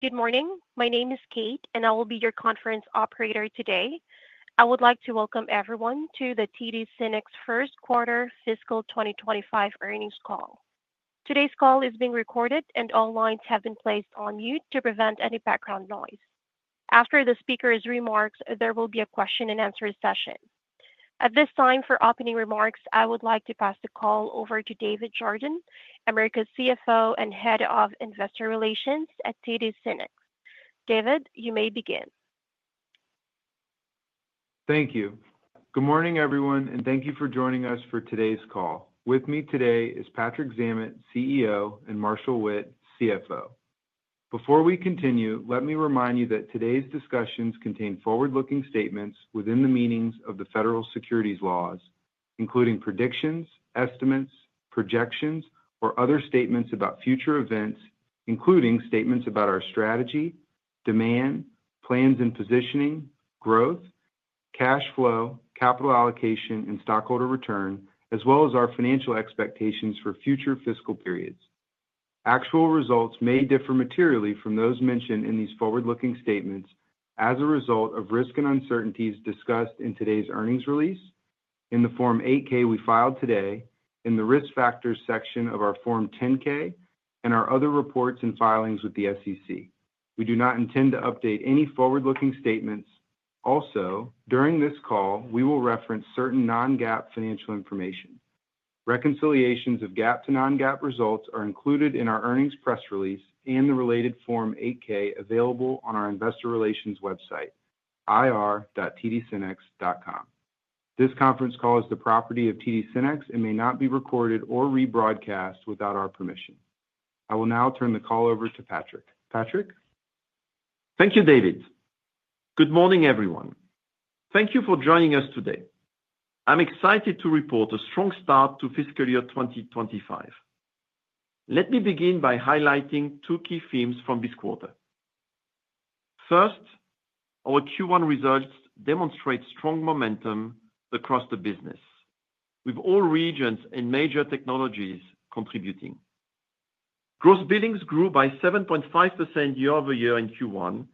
Good morning. My name is Kate, and I will be your conference operator today. I would like to welcome everyone to the TD SYNNEX First Quarter Fiscal 2025 Earnings Call. Today's call is being recorded, and all lines have been placed on mute to prevent any background noise. After the speaker's remarks, there will be a question-and-answer session. At this time, for opening remarks, I would like to pass the call over to David Jordan, Americas CFO and Head of Investor Relations at TD SYNNEX. David, you may begin. Thank you. Good morning, everyone, and thank you for joining us for today's call. With me today is Patrick Zammit, CEO, and Marshall Witt, CFO. Before we continue, let me remind you that today's discussions contain forward-looking statements within the meanings of the federal securities laws, including predictions, estimates, projections, or other statements about future events, including statements about our strategy, demand, plans and positioning, growth, cash flow, capital allocation, and stockholder return, as well as our financial expectations for future fiscal periods. Actual results may differ materially from those mentioned in these forward-looking statements as a result of risk and uncertainties discussed in today's earnings release, in the Form-8K we filed today, in the risk factors section of our Form-10K, and our other reports and filings with the SEC. We do not intend to update any forward-looking statements. Also, during this call, we will reference certain non-GAAP financial information. Reconciliations of GAAP to non-GAAP results are included in our earnings press release and the related Form-8K available on our investor relations website, ir.tdsynnex.com. This conference call is the property of TD SYNNEX and may not be recorded or rebroadcast without our permission. I will now turn the call over to Patrick. Patrick? Thank you, David. Good morning, everyone. Thank you for joining us today. I'm excited to report a strong start to fiscal year 2025. Let me begin by highlighting two key themes from this quarter. First, our Q1 results demonstrate strong momentum across the business, with all regions and major technologies contributing. Gross billings grew by 7.5% year-over-year in Q1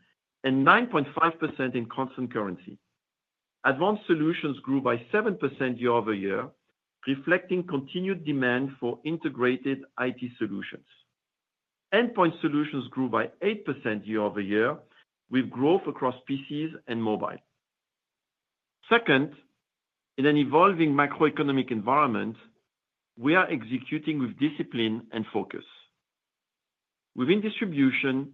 and 9.5% in constant currency. Advanced Solutions grew by 7% year-over-year, reflecting continued demand for integrated IT solutions. Endpoint Solutions grew by 8% year-over-year, with growth across PCs and mobile. Second, in an evolving macroeconomic environment, we are executing with discipline and focus. Within distribution,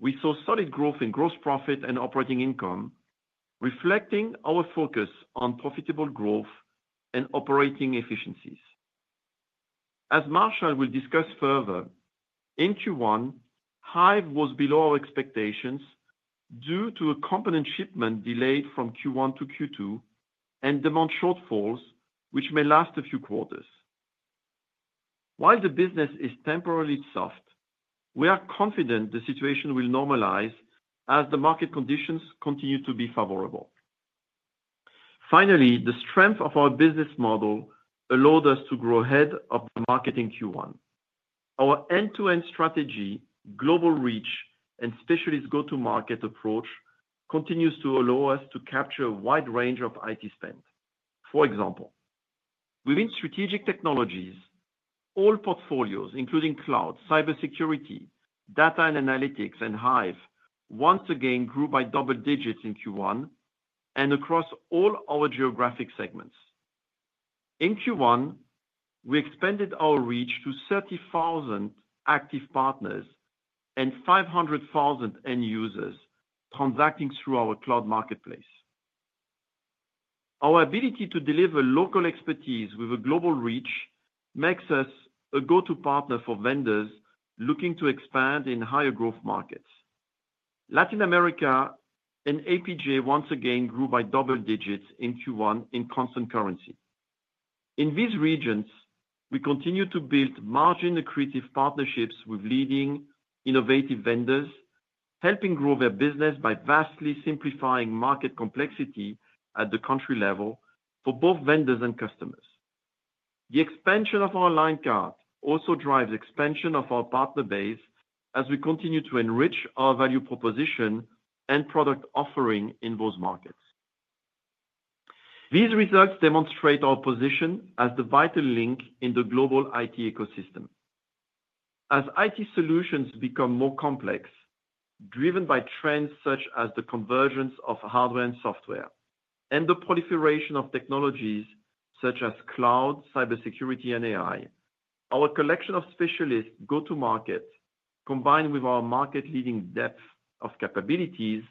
we saw solid growth in gross profit and operating income, reflecting our focus on profitable growth and operating efficiencies. As Marshall will discuss further, in Q1, Hyve was below our expectations due to a component shipment delayed from Q1 to Q2 and demand shortfalls, which may last a few quarters. While the business is temporarily soft, we are confident the situation will normalize as the market conditions continue to be favorable. Finally, the strength of our business model allowed us to grow ahead of the market in Q1. Our end-to-end strategy, global reach, and specialist go-to-market approach continue to allow us to capture a wide range of IT spend. For example, within strategic technologies, all portfolios, including cloud, cybersecurity, data and analytics, and Hyve, once again grew by double digits in Q1 and across all our geographic segments. In Q1, we expanded our reach to 30,000 active partners and 500,000 end users transacting through our cloud marketplace. Our ability to deliver local expertise with a global reach makes us a go-to partner for vendors looking to expand in higher growth markets. Latin America and APJ once again grew by double digits in Q1 in constant currency. In these regions, we continue to build margin-accretive partnerships with leading innovative vendors, helping grow their business by vastly simplifying market complexity at the country level for both vendors and customers. The expansion of our line card also drives the expansion of our partner base as we continue to enrich our value proposition and product offering in those markets. These results demonstrate our position as the vital link in the global IT ecosystem. As IT solutions become more complex, driven by trends such as the convergence of hardware and software, and the proliferation of technologies such as Cloud, Cybersecurity, and AI, our collection of specialist go-to-market, combined with our market-leading depth of capabilities,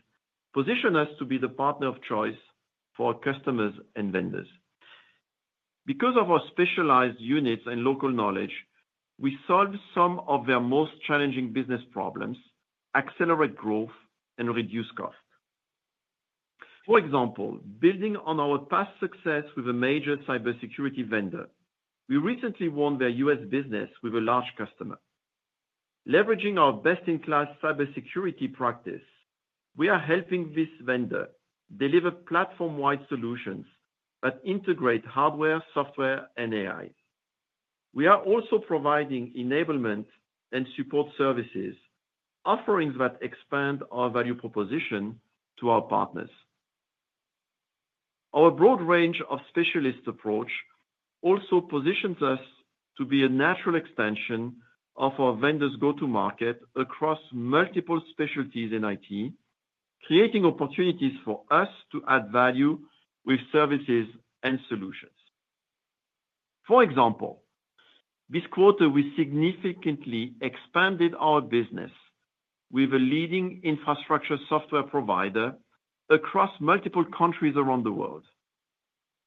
positions us to be the partner of choice for our customers and vendors. Because of our specialized units and local knowledge, we solve some of their most challenging business problems, accelerate growth, and reduce costs. For example, building on our past success with a major Cybersecurity vendor, we recently won their U.S. business with a large customer. Leveraging our best-in-class Cybersecurity practice, we are helping this vendor deliver platform-wide solutions that integrate hardware, software, and AI. We are also providing enablement and support services, offerings that expand our value proposition to our partners. Our broad range of specialist approach also positions us to be a natural extension of our vendors' go-to-market across multiple specialties in IT, creating opportunities for us to add value with services and solutions. For example, this quarter, we significantly expanded our business with a leading infrastructure software provider across multiple countries around the world.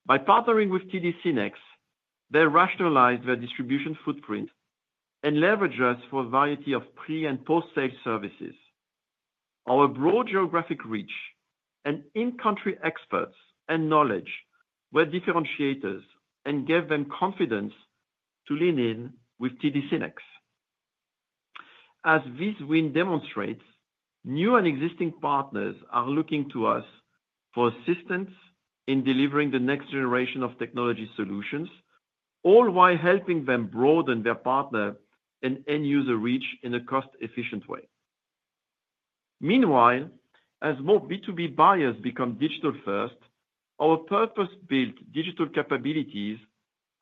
By partnering with TD SYNNEX, they rationalized their distribution footprint and leveraged us for a variety of pre- and post-sale services. Our broad geographic reach and in-country experts and knowledge were differentiators and gave them confidence to lean in with TD SYNNEX. As this win demonstrates, new and existing partners are looking to us for assistance in delivering the next generation of technology solutions, all while helping them broaden their partner and end-user reach in a cost-efficient way. Meanwhile, as more B2B buyers become digital-first, our purpose-built digital capabilities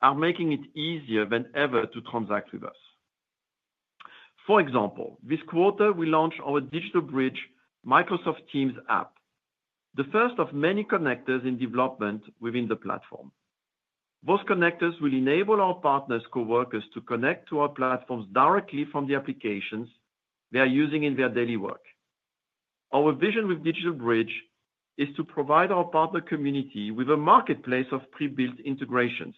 are making it easier than ever to transact with us. For example, this quarter, we launched our Digital Bridge Microsoft Teams app, the first of many connectors in development within the platform. Those connectors will enable our partners' coworkers to connect to our platforms directly from the applications they are using in their daily work. Our vision with Digital Bridge is to provide our partner community with a marketplace of pre-built integrations,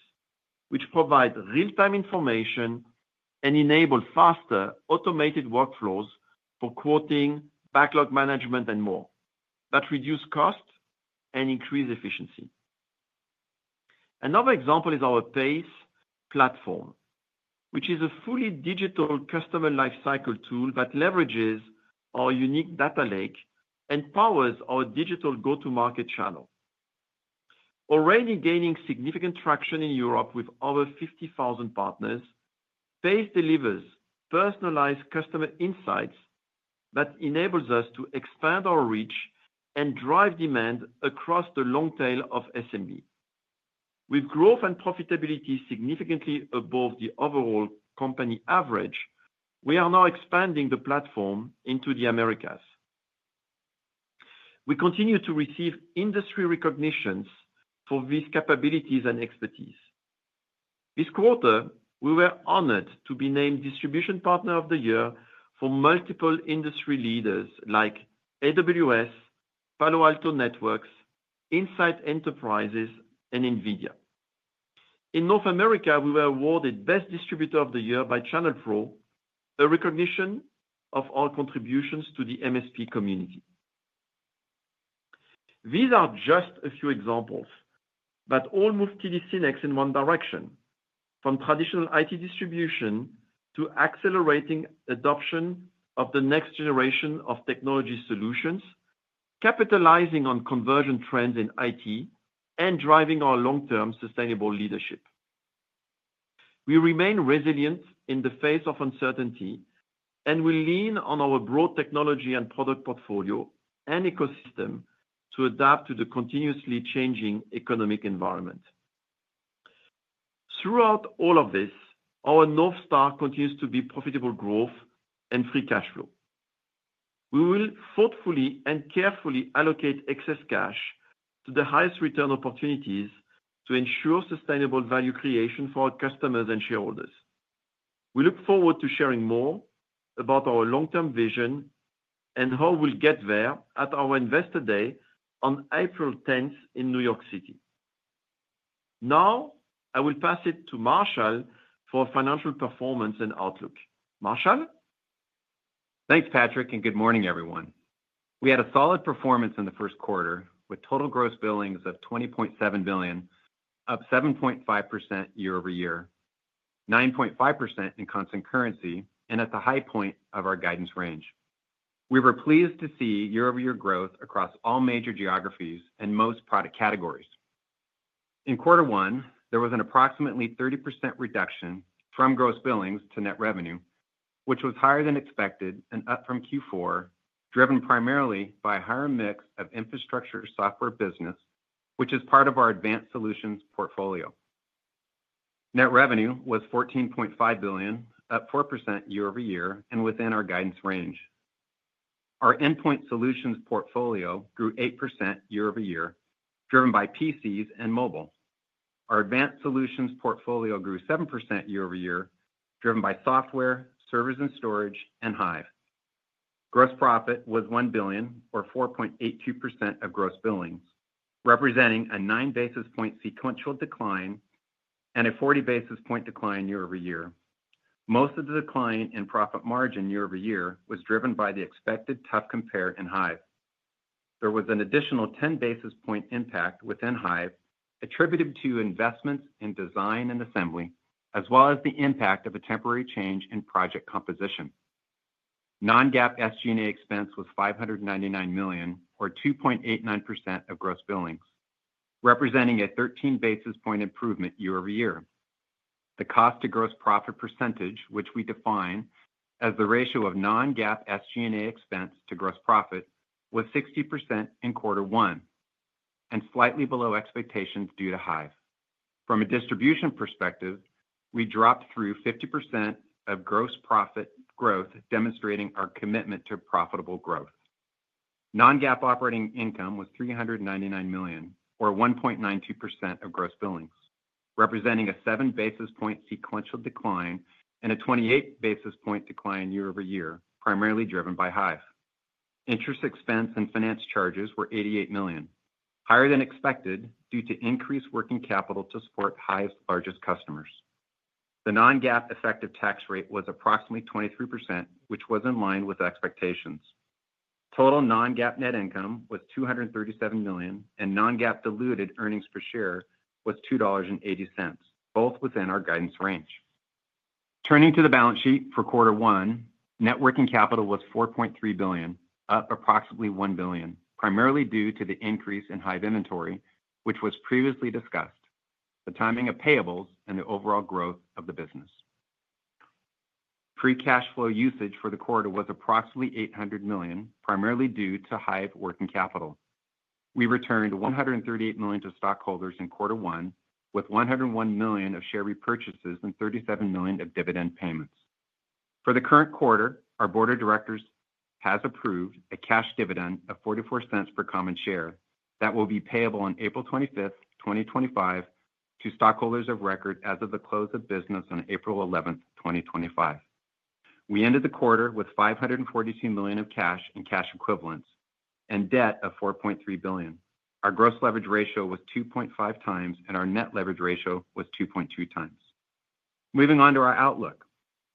which provide real-time information and enable faster, automated workflows for quoting, backlog management, and more that reduce cost and increase efficiency. Another example is our PACE platform, which is a fully digital customer lifecycle tool that leverages our unique data lake and powers our digital go-to-market channel. Already gaining significant traction in Europe with over 50,000 partners, PACE delivers personalized customer insights that enable us to expand our reach and drive demand across the long tail of SMB. With growth and profitability significantly above the overall company average, we are now expanding the platform into the Americas. We continue to receive industry recognitions for these capabilities and expertise. This quarter, we were honored to be named Distribution Partner of the Year for multiple industry leaders like AWS, Palo Alto Networks, Insight Enterprises, and NVIDIA. In North America, we were awarded Best Distributor of the Year by ChannelPro, a recognition of our contributions to the MSP community. These are just a few examples, but all move TD SYNNEX in one direction, from traditional IT distribution to accelerating adoption of the next generation of technology solutions, capitalizing on convergent trends in IT and driving our long-term sustainable leadership. We remain resilient in the face of uncertainty, and we lean on our broad technology and product portfolio and ecosystem to adapt to the continuously changing economic environment. Throughout all of this, our North Star continues to be profitable growth and free cash flow. We will thoughtfully and carefully allocate excess cash to the highest return opportunities to ensure sustainable value creation for our customers and shareholders. We look forward to sharing more about our long-term vision and how we'll get there at our Investor Day on April 10th in New York City. Now, I will pass it to Marshall for financial performance and outlook. Marshall? Thanks, Patrick, and good morning, everyone. We had a solid performance in the first quarter with total gross billings of $20.7 billion, up 7.5% year-over-year, 9.5% in constant currency, and at the high point of our guidance range. We were pleased to see year-over-year growth across all major geographies and most product categories. In quarter one, there was an approximately 30% reduction from gross billings to net revenue, which was higher than expected and up from Q4, driven primarily by a higher mix of infrastructure software business, which is part of our Advanced Solutions portfolio. Net revenue was $14.5 billion, up 4% year-over-year, and within our guidance range. Our Endpoint Solutions portfolio grew 8% year-over-year, driven by PCs and mobile. Our Advanced Solutions portfolio grew 7% year-over-year, driven by software, servers, and storage, and Hyve. Gross profit was $1 billion, or 4.82% of gross billings, representing a 9 basis point sequential decline and a 40 basis point decline year-over-year. Most of the decline in profit margin year-over-year was driven by the expected tough compare in Hyve. There was an additional 10 basis point impact within Hyve attributed to investments in design and assembly, as well as the impact of a temporary change in project composition. Non-GAAP SG&A expense was $599 million, or 2.89% of gross billings, representing a 13 basis point improvement year-over-year. The cost-to-gross profit percentage, which we define as the ratio of non-GAAP SG&A expense to gross profit, was 60% in quarter one and slightly below expectations due to Hyve. From a distribution perspective, we dropped through 50% of gross profit growth, demonstrating our commitment to profitable growth. Non-GAAP operating income was $399 million, or 1.92% of gross billings, representing a 7 basis point sequential decline and a 28 basis point decline year-over-year, primarily driven by Hyve. Interest expense and finance charges were $88 million, higher than expected due to increased working capital to support Hyve's largest customers. The non-GAAP effective tax rate was approximately 23%, which was in line with expectations. Total non-GAAP net income was $237 million, and non-GAAP diluted earnings per share was $2.80, both within our guidance range. Turning to the balance sheet for quarter one, net working capital was $4.3 billion, up approximately $1 billion, primarily due to the increase in Hyve inventory, which was previously discussed, the timing of payables, and the overall growth of the business. Free cash flow usage for the quarter was approximately $800 million, primarily due to Hyve working capital. We returned $138 million to stockholders in quarter one, with $101 million of share repurchases and $37 million of dividend payments. For the current quarter, our board of directors has approved a cash dividend of $0.44 per common share that will be payable on April 25th, 2025, to stockholders of record as of the close of business on April 11th, 2025. We ended the quarter with $542 million of cash and cash equivalents and debt of $4.3 billion. Our gross leverage ratio was 2.5 times, and our net leverage ratio was 2.2 times. Moving on to our outlook,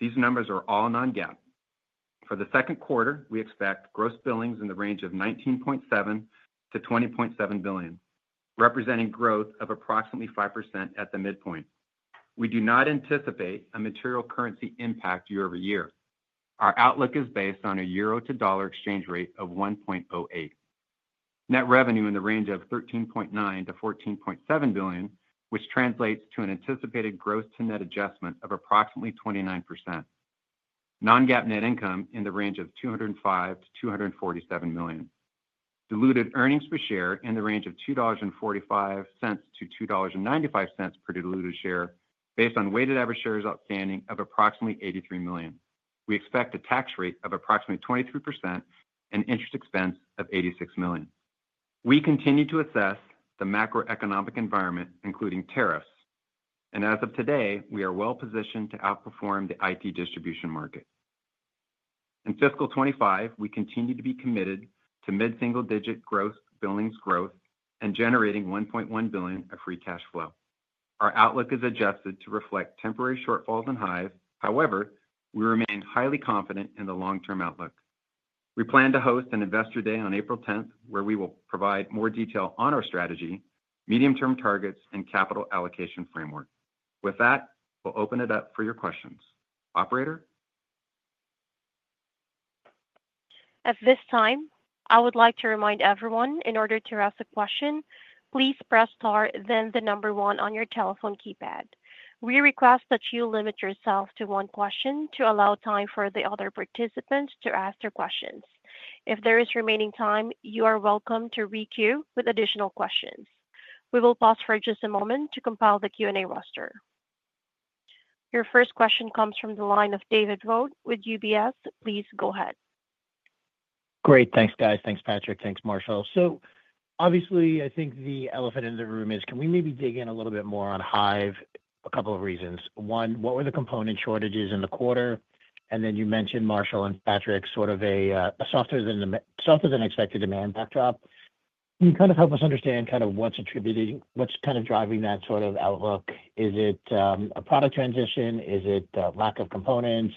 these numbers are all non-GAAP. For the second quarter, we expect gross billings in the range of $19.7 billion-$20.7 billion, representing growth of approximately 5% at the midpoint. We do not anticipate a material currency impact year-over-year. Our outlook is based on a euro to dollar exchange rate of 1.08. Net revenue in the range of $13.9 billion-$14.7 billion, which translates to an anticipated gross-to-net adjustment of approximately 29%. Non-GAAP net income in the range of $205 million-$247 million. Diluted earnings per share in the range of $2.45-$2.95 per diluted share based on weighted average shares outstanding of approximately 83 million. We expect a tax rate of approximately 23% and interest expense of $86 million. We continue to assess the macroeconomic environment, including tariffs. As of today, we are well-positioned to outperform the IT distribution market. In fiscal 2025, we continue to be committed to mid-single-digit gross billings growth and generating $1.1 billion of free cash flow. Our outlook is adjusted to reflect temporary shortfalls in Hyve. However, we remain highly confident in the long-term outlook. We plan to host an Investor Day on April 10th, where we will provide more detail on our strategy, medium-term targets, and capital allocation framework. With that, we'll open it up for your questions. Operator? At this time, I would like to remind everyone, in order to ask a question, please press star, then the number one on your telephone keypad. We request that you limit yourself to one question to allow time for the other participants to ask their questions. If there is remaining time, you are welcome to re-queue with additional questions. We will pause for just a moment to compile the Q&A roster. Your first question comes from the line of David Vogt with UBS. Please go ahead. Great. Thanks, guys. Thanks, Patrick. Thanks, Marshall. I think the elephant in the room is, can we maybe dig in a little bit more on Hyve? A couple of reasons. One, what were the component shortages in the quarter? You mentioned, Marshall and Patrick, sort of a softer than expected demand backdrop. Can you kind of help us understand kind of what's attributed, what's kind of driving that sort of outlook? Is it a product transition? Is it a lack of components?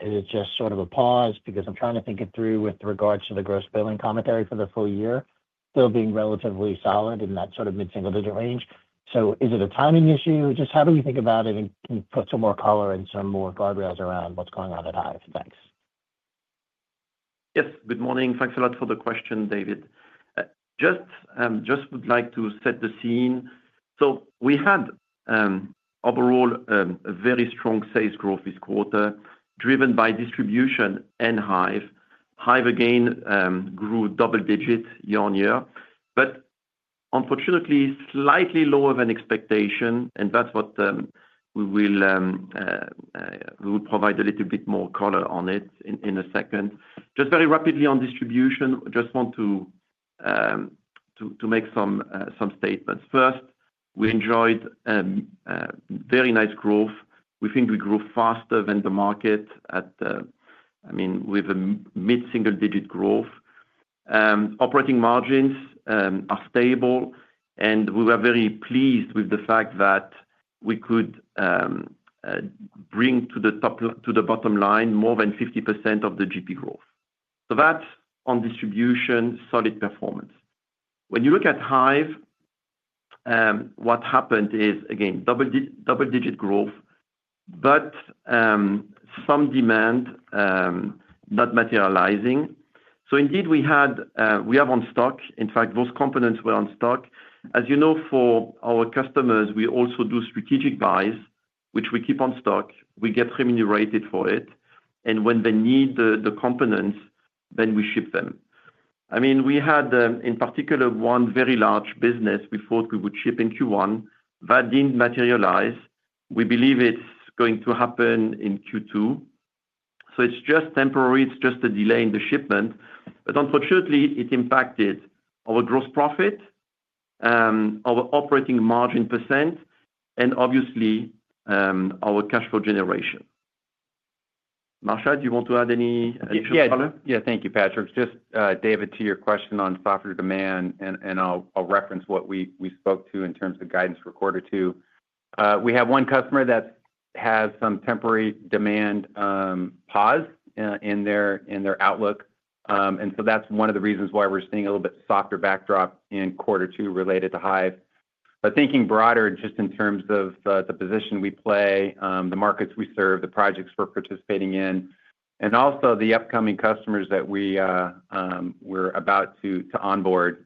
Is it just sort of a pause? I am trying to think it through with regards to the gross billing commentary for the full year, still being relatively solid in that sort of mid-single-digit range. Is it a timing issue? How do we think about it and put some more color and some more guardrails around what's going on at Hyve? Thanks. Yes. Good morning. Thanks a lot for the question, David. Just would like to set the scene. We had, overall, a very strong sales growth this quarter, driven by distribution and Hyve. Hyve again grew double-digit year-on-year, but unfortunately, slightly lower than expectation. That is what we will provide a little bit more color on in a second. Just very rapidly on distribution, just want to make some statements. First, we enjoyed very nice growth. We think we grew faster than the market at, I mean, with a mid-single-digit growth. Operating margins are stable, and we were very pleased with the fact that we could bring to the bottom line more than 50% of the GP growth. That is on distribution, solid performance. When you look at Hyve, what happened is, again, double-digit growth, but some demand not materializing. Indeed, we have on stock. In fact, those components were on stock. As you know, for our customers, we also do strategic buys, which we keep on stock. We get remunerated for it. When they need the components, then we ship them. I mean, we had, in particular, one very large business we thought we would ship in Q1. That did not materialize. We believe it is going to happen in Q2. It is just temporary. It is just a delay in the shipment. Unfortunately, it impacted our gross profit, our operating margin %, and obviously, our cash flow generation. Marshall, do you want to add any additional color? Yes. Yeah. Thank you, Patrick. Just, David, to your question on software demand, and I'll reference what we spoke to in terms of guidance for quarter two. We have one customer that has some temporary demand pause in their outlook. That is one of the reasons why we're seeing a little bit softer backdrop in quarter two related to Hyve. Thinking broader, just in terms of the position we play, the markets we serve, the projects we're participating in, and also the upcoming customers that we're about to onboard,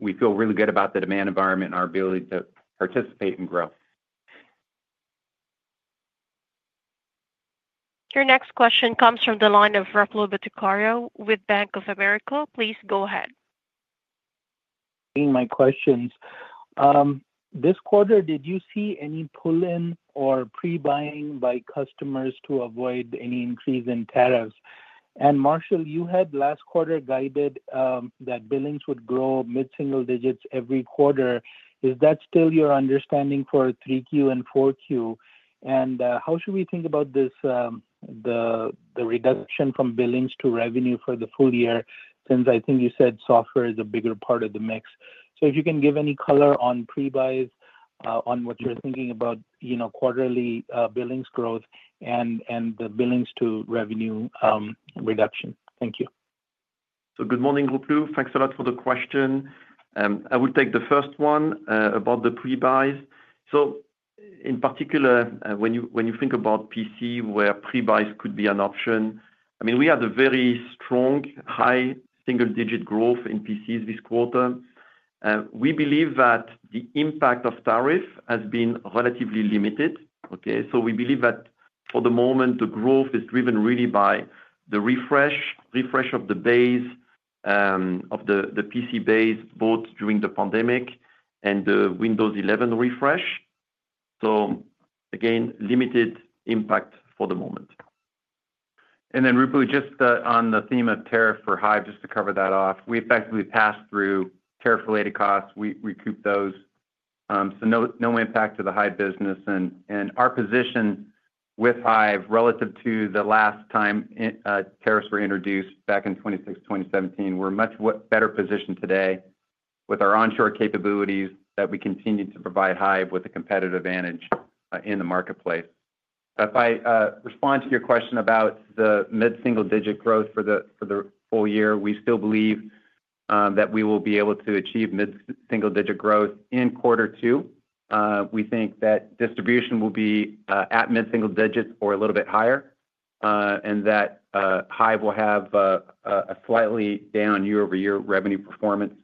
we feel really good about the demand environment and our ability to participate and grow. Your next question comes from the line of Ruplu Bhattacharya with Bank of America. Please go ahead. My questions. This quarter, did you see any pull-in or pre-buying by customers to avoid any increase in tariffs? Marshall, you had last quarter guided that billings would grow mid-single digits every quarter. Is that still your understanding for 3Q and 4Q? How should we think about the reduction from billings to revenue for the full year since I think you said software is a bigger part of the mix? If you can give any color on pre-buys, on what you're thinking about quarterly billings growth and the billings to revenue reduction. Thank you. Good morning, Ruplu. Thanks a lot for the question. I will take the first one about the pre-buys. In particular, when you think about PC, where pre-buys could be an option, I mean, we had a very strong high single-digit growth in PCs this quarter. We believe that the impact of tariff has been relatively limited. Okay? We believe that for the moment, the growth is driven really by the refresh of the base, of the PC base, both during the pandemic and the Windows 11 refresh. Again, limited impact for the moment. Ruplu, just on the theme of tariff for Hyve, just to cover that off, we effectively passed through tariff-related costs. We recoup those. No impact to the Hyve business. Our position with Hyve relative to the last time tariffs were introduced back in 2006, 2017, we are much better positioned today with our onshore capabilities that we continue to provide Hyve with a competitive advantage in the marketplace. If I respond to your question about the mid-single-digit growth for the full year, we still believe that we will be able to achieve mid-single-digit growth in quarter two. We think that distribution will be at mid-single digits or a little bit higher, and that Hyve will have a slightly down year-over-year revenue performance.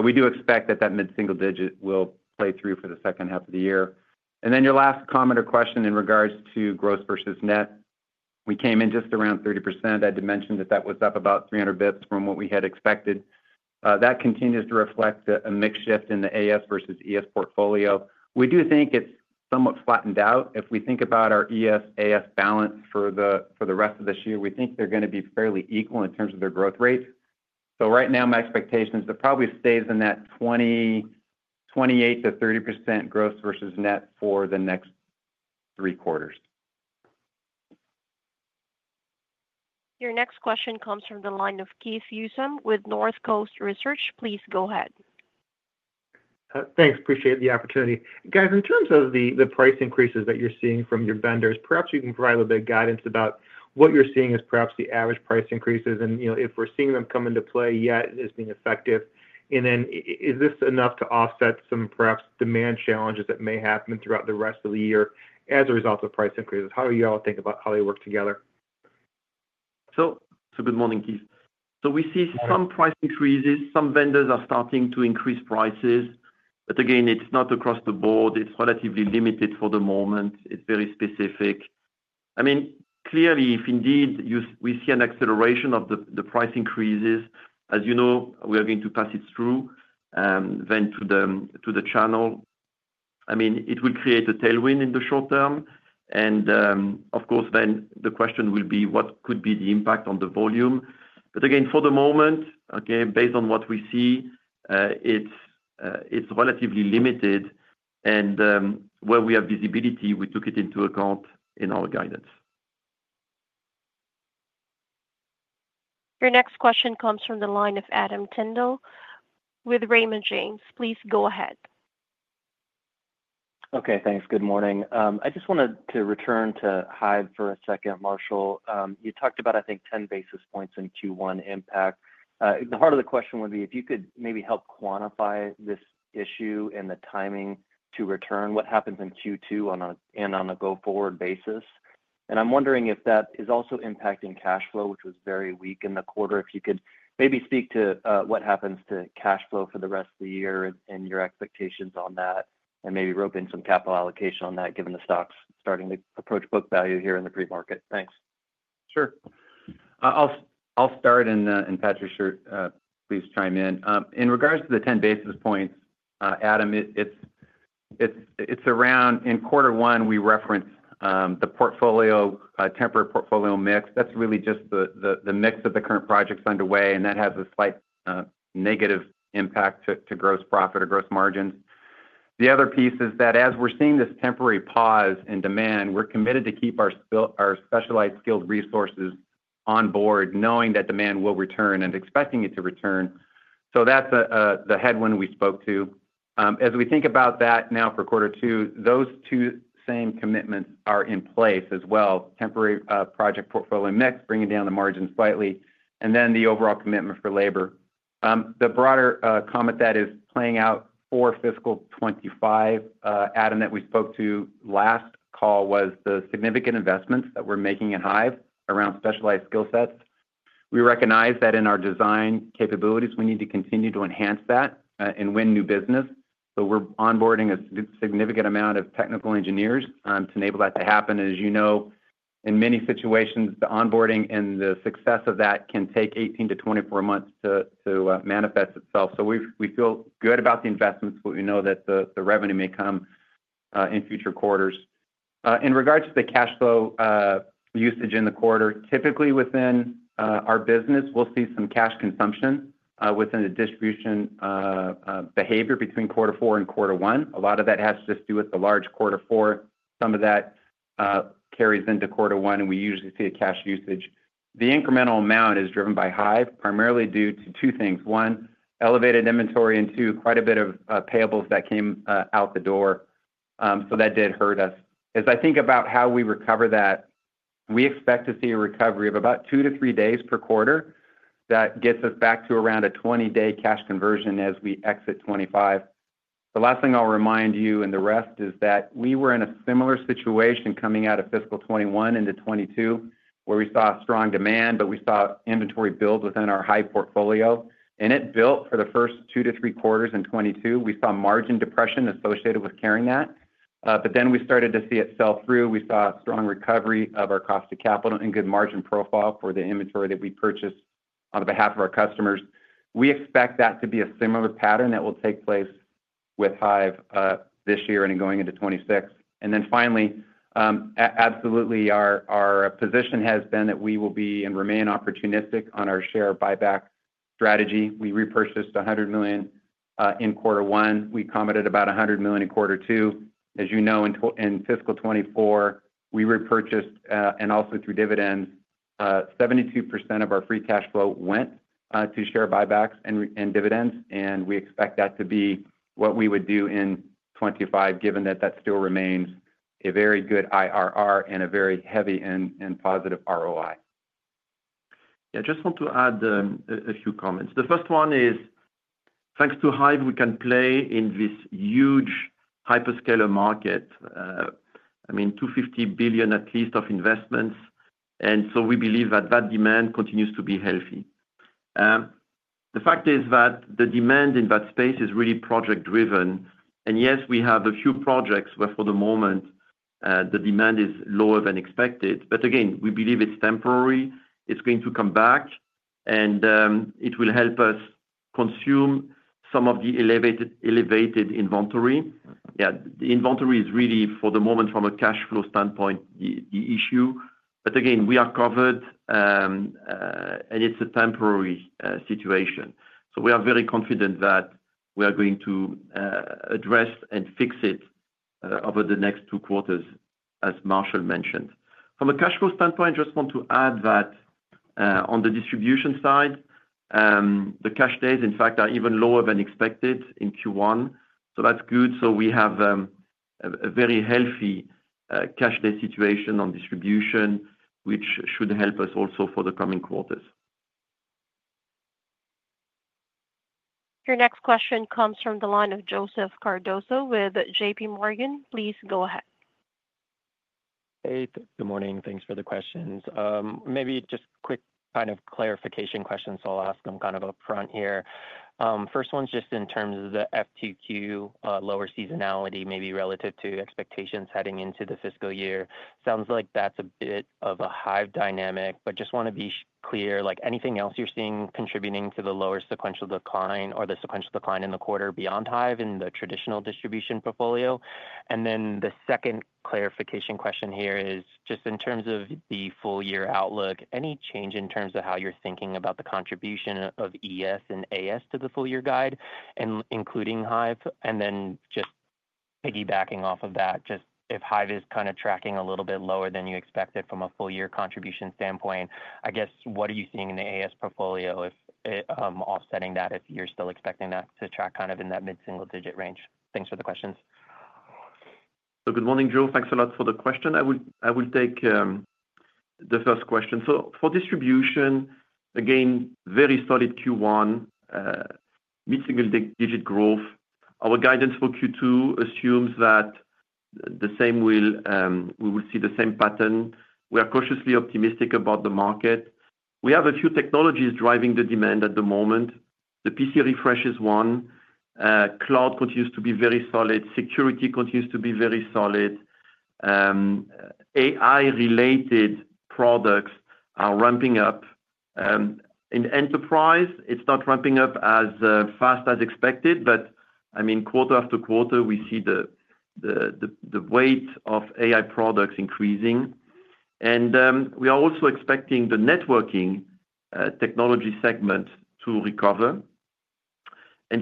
We do expect that that mid-single digit will play through for the second half of the year. Your last comment or question in regards to gross versus net, we came in just around 30%. I did mention that that was up about 300 basis points from what we had expected. That continues to reflect a mix shift in the AS versus ES portfolio. We do think it is somewhat flattened out. If we think about our ES/AS balance for the rest of this year, we think they are going to be fairly equal in terms of their growth rate. Right now, my expectation is it probably stays in that 28%-30% gross versus net for the next three quarters. Your next question comes from the line of Keith Housum with Northcoast Research. Please go ahead. Thanks. Appreciate the opportunity. Guys, in terms of the price increases that you're seeing from your vendors, perhaps you can provide a little bit of guidance about what you're seeing as perhaps the average price increases and if we're seeing them come into play yet as being effective. Is this enough to offset some perhaps demand challenges that may happen throughout the rest of the year as a result of price increases? How do you all think about how they work together? Good morning, Keith. We see some price increases. Some vendors are starting to increase prices. Again, it is not across the board. It is relatively limited for the moment. It is very specific. I mean, clearly, if indeed we see an acceleration of the price increases, as you know, we are going to pass it through to the channel. I mean, it will create a tailwind in the short term. Of course, the question will be, what could be the impact on the volume? Again, based on what we see, it is relatively limited. Where we have visibility, we took it into account in our guidance. Your next question comes from the line of Adam Tindle with Raymond James. Please go ahead. Okay. Thanks. Good morning. I just wanted to return to Hyve for a second, Marshall. You talked about, I think, 10 basis points in Q1 impact. The heart of the question would be, if you could maybe help quantify this issue and the timing to return, what happens in Q2 and on a go-forward basis? I'm wondering if that is also impacting cash flow, which was very weak in the quarter. If you could maybe speak to what happens to cash flow for the rest of the year and your expectations on that, and maybe rope in some capital allocation on that, given the stock's starting to approach book value here in the pre-market. Thanks. Sure. I'll start, and Patrick, please chime in. In regards to the 10 basis points, Adam, it's around in quarter one, we referenced the temporary portfolio mix. That's really just the mix of the current projects underway, and that has a slight negative impact to gross profit or gross margins. The other piece is that as we're seeing this temporary pause in demand, we're committed to keep our specialized skilled resources on board, knowing that demand will return and expecting it to return. That's the headwind we spoke to. As we think about that now for quarter two, those two same commitments are in place as well: temporary project portfolio mix, bringing down the margin slightly, and then the overall commitment for labor. The broader comment that is playing out for fiscal 2025, Adam, that we spoke to last call was the significant investments that we're making in Hyve around specialized skill sets. We recognize that in our design capabilities, we need to continue to enhance that and win new business. We are onboarding a significant amount of technical engineers to enable that to happen. As you know, in many situations, the onboarding and the success of that can take 18-24 months to manifest itself. We feel good about the investments, but we know that the revenue may come in future quarters. In regards to the cash flow usage in the quarter, typically within our business, we'll see some cash consumption within the distribution behavior between quarter four and quarter one. A lot of that has to do with the large quarter four. Some of that carries into quarter one, and we usually see a cash usage. The incremental amount is driven by Hyve, primarily due to two things: one, elevated inventory, and two, quite a bit of payables that came out the door. That did hurt us. As I think about how we recover that, we expect to see a recovery of about two to three days per quarter. That gets us back to around a 20-day cash conversion as we exit 2025. The last thing I'll remind you and the rest is that we were in a similar situation coming out of fiscal 2021 into 2022, where we saw strong demand, but we saw inventory build within our Hyve portfolio. It built for the first two to three quarters in 2022. We saw margin depression associated with carrying that. Then we started to see it sell through. We saw strong recovery of our cost of capital and good margin profile for the inventory that we purchased on behalf of our customers. We expect that to be a similar pattern that will take place with Hyve this year and going into 2026. Finally, absolutely, our position has been that we will be and remain opportunistic on our share buyback strategy. We repurchased $100 million in quarter one. We committed about $100 million in quarter two. As you know, in fiscal 2024, we repurchased, and also through dividends, 72% of our free cash flow went to share buybacks and dividends. We expect that to be what we would do in 2025, given that that still remains a very good IRR and a very heavy and positive ROI. Yeah. I just want to add a few comments. The first one is, thanks to Hyve, we can play in this huge hyperscaler market, I mean, $250 billion at least of investments. We believe that that demand continues to be healthy. The fact is that the demand in that space is really project-driven. Yes, we have a few projects where for the moment the demand is lower than expected. Again, we believe it's temporary. It's going to come back, and it will help us consume some of the elevated inventory. Yeah. The inventory is really, for the moment, from a cash flow standpoint, the issue. Again, we are covered, and it's a temporary situation. We are very confident that we are going to address and fix it over the next two quarters, as Marshall mentioned. From a cash flow standpoint, I just want to add that on the distribution side, the cash days, in fact, are even lower than expected in Q1. That is good. We have a very healthy cash day situation on distribution, which should help us also for the coming quarters. Your next question comes from the line of Joseph Cardoso with J.P. Morgan. Please go ahead. Hey. Good morning. Thanks for the questions. Maybe just quick kind of clarification questions, I'll ask them kind of upfront here. First one's just in terms of the FTQ lower seasonality, maybe relative to expectations heading into the fiscal year. Sounds like that's a bit of a Hyve dynamic, but just want to be clear, anything else you're seeing contributing to the lower sequential decline or the sequential decline in the quarter beyond Hyve in the traditional distribution portfolio? The second clarification question here is just in terms of the full year outlook, any change in terms of how you're thinking about the contribution of ES and AS to the full year guide, including Hyve? Just piggybacking off of that, if Hyve is kind of tracking a little bit lower than you expected from a full year contribution standpoint, I guess, what are you seeing in the AS portfolio offsetting that if you're still expecting that to track kind of in that mid-single digit range? Thanks for the questions. Good morning, Joe. Thanks a lot for the question. I will take the first question. For distribution, again, very solid Q1, mid-single digit growth. Our guidance for Q2 assumes that we will see the same pattern. We are cautiously optimistic about the market. We have a few technologies driving the demand at the moment. The PC refresh is one. Cloud continues to be very solid. Security continues to be very solid. AI-related products are ramping up. In enterprise, it's not ramping up as fast as expected, but I mean, quarter after quarter, we see the weight of AI products increasing. We are also expecting the networking technology segment to recover.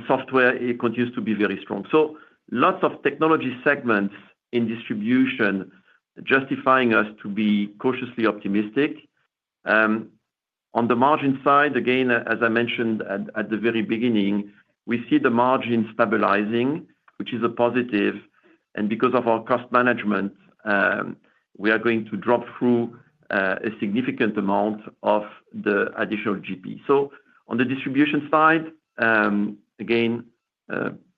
Software continues to be very strong. Lots of technology segments in distribution justifying us to be cautiously optimistic. On the margin side, again, as I mentioned at the very beginning, we see the margin stabilizing, which is a positive. Because of our cost management, we are going to drop through a significant amount of the additional GP. On the distribution side, again,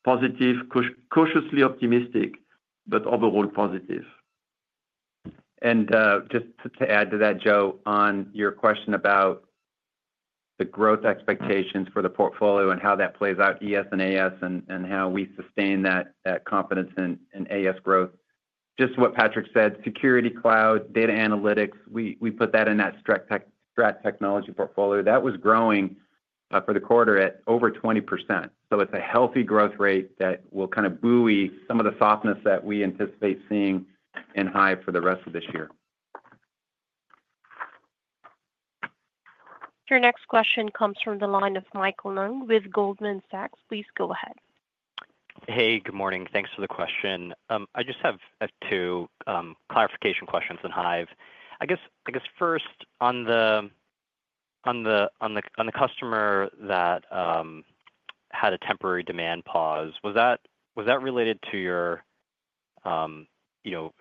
positive, cautiously optimistic, but overall positive. To add to that, Joe, on your question about the growth expectations for the portfolio and how that plays out, ES and AS, and how we sustain that confidence in AS growth, just what Patrick said, security, cloud, data analytics, we put that in that strat technology portfolio. That was growing for the quarter at over 20%. It is a healthy growth rate that will kind of buoy some of the softness that we anticipate seeing in Hyve for the rest of this year. Your next question comes from the line of Michael Leung with Goldman Sachs. Please go ahead. Hey. Good morning. Thanks for the question. I just have two clarification questions on Hyve. I guess first, on the customer that had a temporary demand pause, was that related to your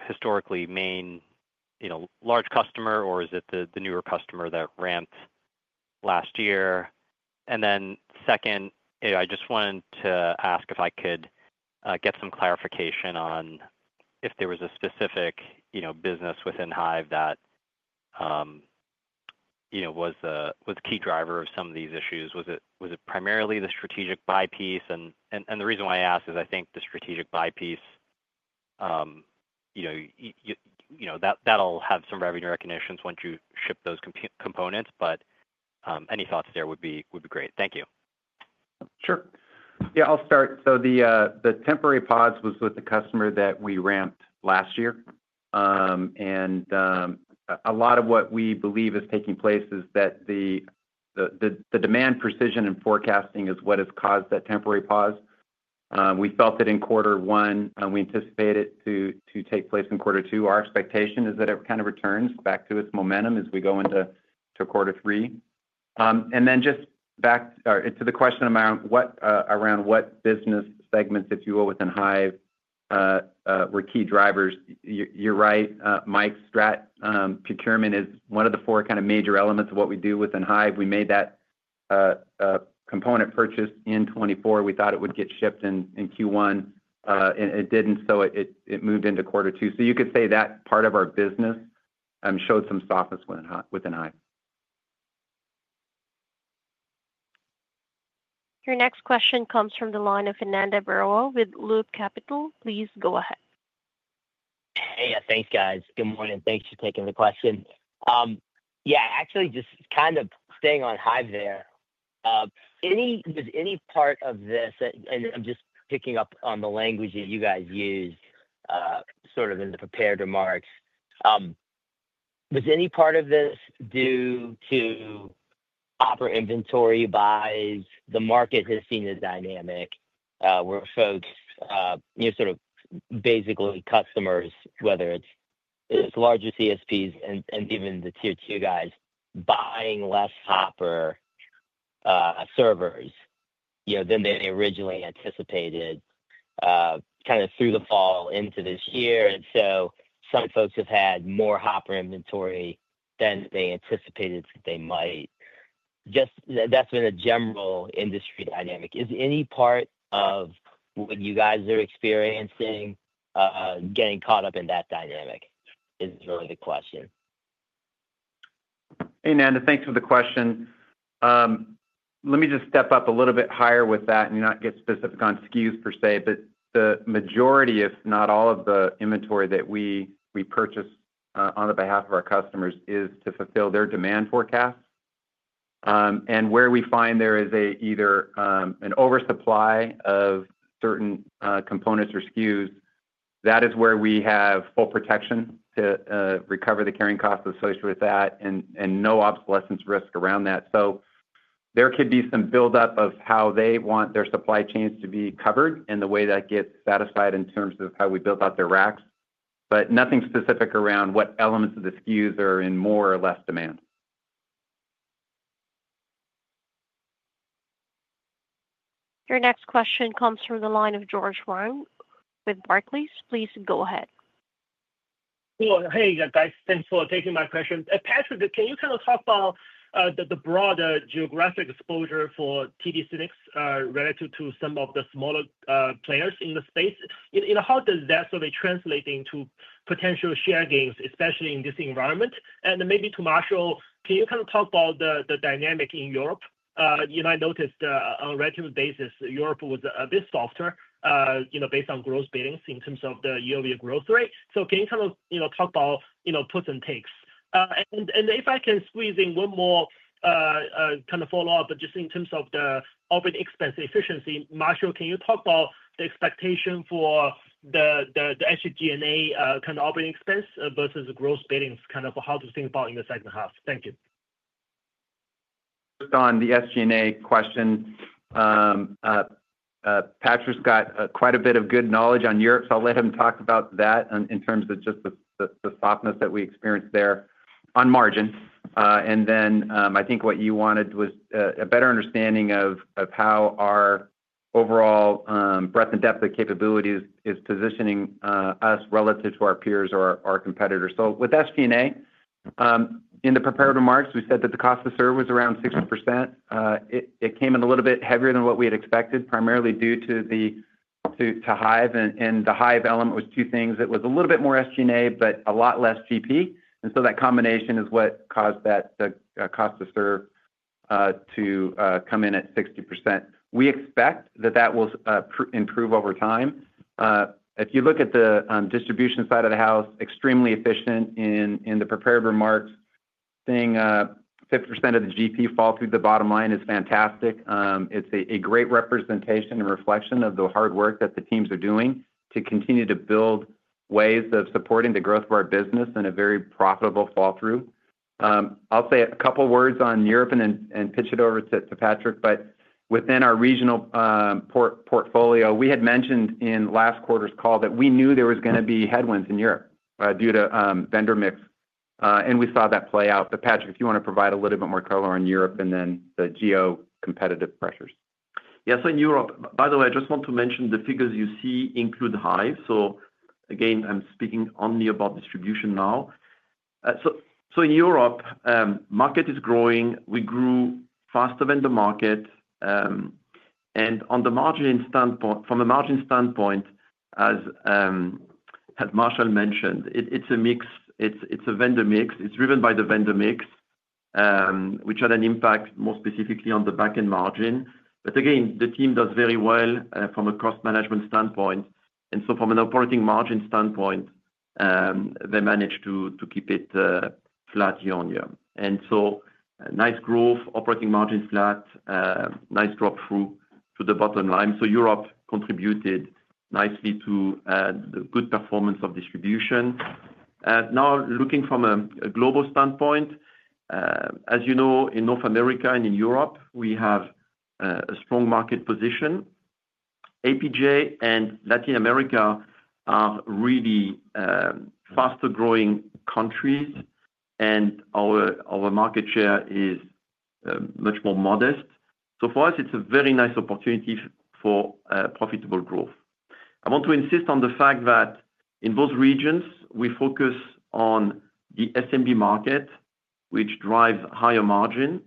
historically main large customer, or is it the newer customer that ramped last year? I just wanted to ask if I could get some clarification on if there was a specific business within Hyve that was the key driver of some of these issues. Was it primarily the strategic buy piece? The reason why I ask is I think the strategic buy piece, that'll have some revenue recognitions once you ship those components. Any thoughts there would be great. Thank you. Sure. Yeah. I'll start. The temporary pause was with the customer that we ramped last year. A lot of what we believe is taking place is that the demand precision and forecasting is what has caused that temporary pause. We felt it in quarter one, and we anticipate it to take place in quarter two. Our expectation is that it kind of returns back to its momentum as we go into quarter three. Just back to the question around what business segments, if you will, within Hyve were key drivers. You're right. Mike's strat procurement is one of the four kind of major elements of what we do within Hyve. We made that component purchase in 2024. We thought it would get shipped in Q1, and it did not. It moved into quarter two. You could say that part of our business showed some softness within Hyve. Your next question comes from the line of Ananda Baruah with Loop Capital. Please go ahead. Hey. Thanks, guys. Good morning. Thanks for taking the question. Yeah. Actually, just kind of staying on Hyve there, was any part of this—and I'm just picking up on the language that you guys used sort of in the prepared remarks—was any part of this due to upper inventory buys? The market has seen a dynamic where folks, sort of basically customers, whether it's larger CSPs and even the tier two guys, buying less Hopper servers than they originally anticipated kind of through the fall into this year. Some folks have had more Hopper inventory than they anticipated they might. Just that's been a general industry dynamic. Is any part of what you guys are experiencing getting caught up in that dynamic is really the question. Hey, Ananda. Thanks for the question. Let me just step up a little bit higher with that and not get specific on SKUs per se, but the majority, if not all, of the inventory that we purchase on the behalf of our customers is to fulfill their demand forecasts. Where we find there is either an oversupply of certain components or SKUs, that is where we have full protection to recover the carrying costs associated with that and no obsolescence risk around that. There could be some buildup of how they want their supply chains to be covered and the way that gets satisfied in terms of how we build out their racks, but nothing specific around what elements of the SKUs are in more or less demand. Your next question comes from the line of George Wang with Barclays. Please go ahead. Hey, guys. Thanks for taking my question. Patrick, can you kind of talk about the broader geographic exposure for TD SYNNEX relative to some of the smaller players in the space? How does that sort of translate into potential share gains, especially in this environment? Maybe to Marshall, can you kind of talk about the dynamic in Europe? I noticed on a relative basis, Europe was a bit softer based on gross billings in terms of the year-over-year growth rate. Can you kind of talk about puts and takes? If I can squeeze in one more kind of follow-up, just in terms of the operating expense efficiency, Marshall, can you talk about the expectation for the SG&A kind of operating expense versus gross billings, kind of how to think about in the second half? Thank you. Just on the SG&A question, Patrick's got quite a bit of good knowledge on Europe. I'll let him talk about that in terms of just the softness that we experienced there on margin. I think what you wanted was a better understanding of how our overall breadth and depth of capabilities is positioning us relative to our peers or our competitors. With SG&A, in the prepared remarks, we said that the cost to serve was around 60%. It came in a little bit heavier than what we had expected, primarily due to Hyve, and the Hyve element was two things. It was a little bit more SG&A, but a lot less GP. That combination is what caused that cost to serve to come in at 60%. We expect that that will improve over time. If you look at the distribution side of the house, extremely efficient in the prepared remarks, seeing 50% of the GP fall through the bottom line is fantastic. It's a great representation and reflection of the hard work that the teams are doing to continue to build ways of supporting the growth of our business in a very profitable fall-through. I'll say a couple of words on Europe and pitch it over to Patrick, but within our regional portfolio, we had mentioned in last quarter's call that we knew there was going to be headwinds in Europe due to vendor mix, and we saw that play out. Patrick, if you want to provide a little bit more color on Europe and then the geo-competitive pressures. Yes. In Europe, by the way, I just want to mention the figures you see include Hyve. Again, I'm speaking only about distribution now. In Europe, market is growing. We grew faster than the market. On the margin standpoint, from a margin standpoint, as Marshall mentioned, it's a vendor mix. It's driven by the vendor mix, which had an impact more specifically on the back-end margin. Again, the team does very well from a cost management standpoint. From an operating margin standpoint, they managed to keep it flat year-on-year. Nice growth, operating margin flat, nice drop through to the bottom line. Europe contributed nicely to the good performance of distribution. Now, looking from a global standpoint, as you know, in North America and in Europe, we have a strong market position. APJ and Latin America are really faster-growing countries, and our market share is much more modest. For us, it's a very nice opportunity for profitable growth. I want to insist on the fact that in both regions, we focus on the SMB market, which drives higher margin.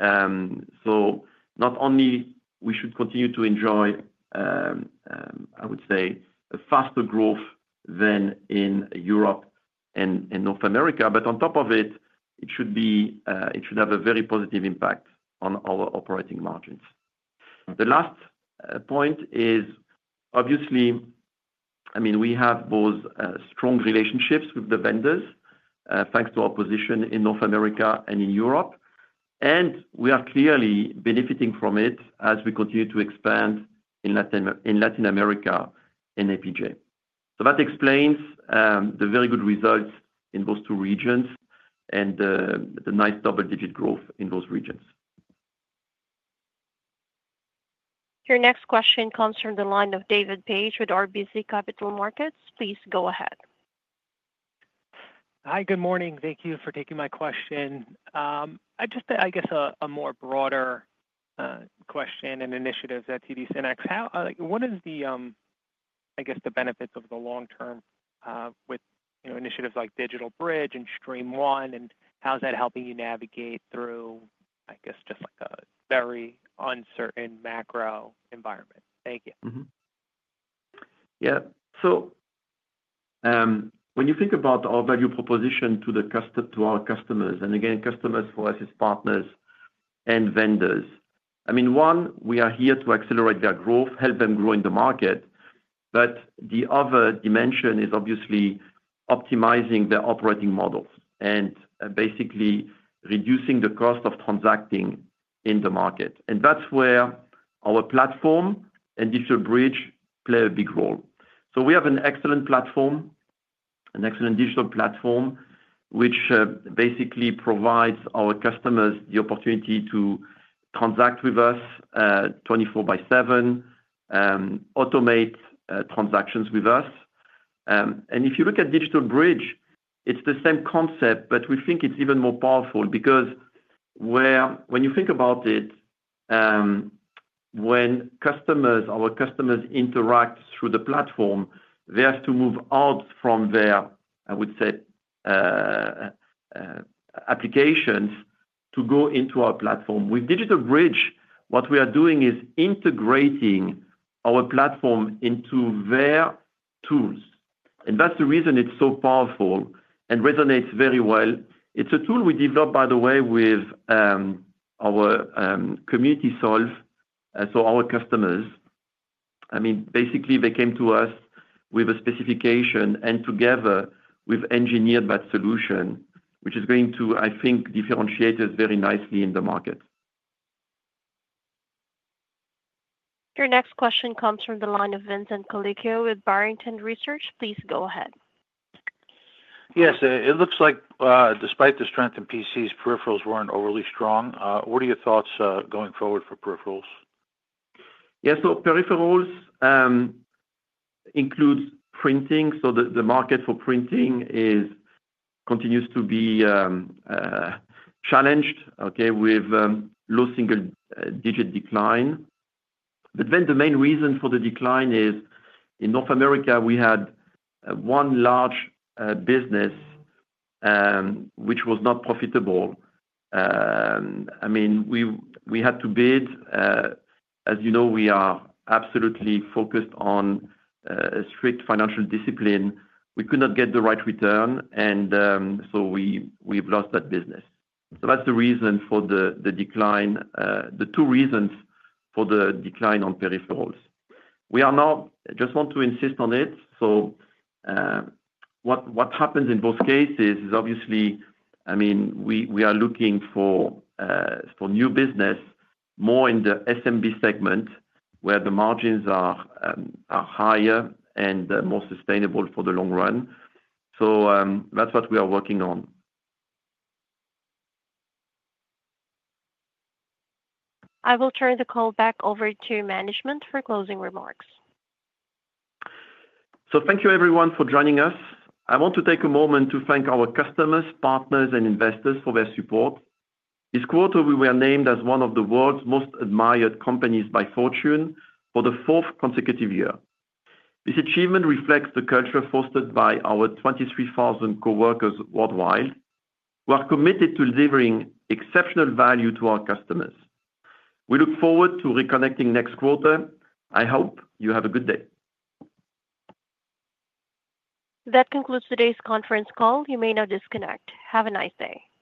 Not only should we continue to enjoy, I would say, a faster growth than in Europe and North America, but on top of it, it should have a very positive impact on our operating margins. The last point is, obviously, I mean, we have both strong relationships with the vendors thanks to our position in North America and in Europe. We are clearly benefiting from it as we continue to expand in Latin America and APJ. That explains the very good results in those two regions and the nice double-digit growth in those regions. Your next question comes from the line of David Paige with RBC Capital Markets. Please go ahead. Hi. Good morning. Thank you for taking my question. I guess a more broader question and initiative at TD SYNNEX. What is, I guess, the benefit of the long-term with initiatives like Digital Bridge and StreamOne? How is that helping you navigate through, I guess, just a very uncertain macro environment? Thank you. Yeah. When you think about our value proposition to our customers, and again, customers for us is partners and vendors, I mean, one, we are here to accelerate their growth, help them grow in the market. The other dimension is obviously optimizing their operating models and basically reducing the cost of transacting in the market. That is where our platform and Digital Bridge play a big role. We have an excellent platform, an excellent digital platform, which basically provides our customers the opportunity to transact with us 24 by 7, automate transactions with us. If you look at Digital Bridge, it is the same concept, but we think it is even more powerful because when you think about it, when our customers interact through the platform, they have to move out from their, I would say, applications to go into our platform. With Digital Bridge, what we are doing is integrating our platform into their tools. That is the reason it's so powerful and resonates very well. It's a tool we developed, by the way, with our community solve. Our customers, I mean, basically, they came to us with a specification, and together, we've engineered that solution, which is going to, I think, differentiate us very nicely in the market. Your next question comes from the line of Vincent Colicchio with Barrington Research. Please go ahead. Yes. It looks like, despite the strength in PCs, peripherals were not overly strong. What are your thoughts going forward for peripherals? Yes. Peripherals include printing. The market for printing continues to be challenged, with low single-digit decline. The main reason for the decline is, in North America, we had one large business which was not profitable. I mean, we had to bid. As you know, we are absolutely focused on a strict financial discipline. We could not get the right return, and so we've lost that business. That is the reason for the decline, the two reasons for the decline on peripherals. We are now, I just want to insist on it. What happens in both cases is obviously, I mean, we are looking for new business more in the SMB segment where the margins are higher and more sustainable for the long run. That is what we are working on. I will turn the call back over to management for closing remarks. Thank you, everyone, for joining us. I want to take a moment to thank our customers, partners, and investors for their support. This quarter, we were named as one of the world's most admired companies by Fortune for the fourth consecutive year. This achievement reflects the culture fostered by our 23,000 coworkers worldwide, who are committed to delivering exceptional value to our customers. We look forward to reconnecting next quarter. I hope you have a good day. That concludes today's conference call. You may now disconnect. Have a nice day.